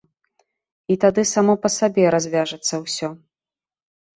І тады само па сабе развяжацца ўсё.